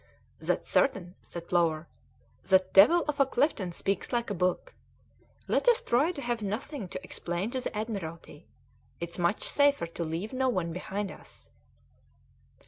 "That's certain!" said Plover; "that devil of a Clifton speaks like a book. Let us try to have nothing to explain to the Admiralty; it's much safer to leave no one behind us."